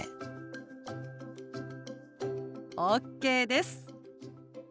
ＯＫです。